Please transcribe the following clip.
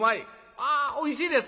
「ああおいしいですか。